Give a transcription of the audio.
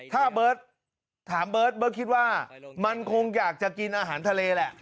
ถ้าเบิร์ตถามเบิร์ตเบิร์ตคิดว่ามันคงอยากจะกินอาหารทะเลแหละ